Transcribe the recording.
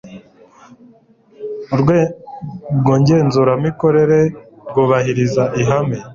Urwego ngenzuramikorere rwubahiriza ihame